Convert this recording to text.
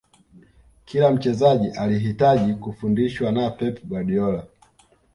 kila mchezaji alihitaji kufundishwa na pep guardiola